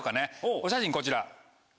お写真こちら。